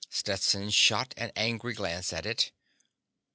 Stetson shot an angry glance at it.